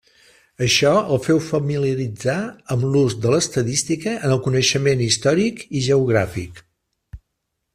Això el féu familiaritzar amb l'ús de l'estadística en el coneixement històric i geogràfic.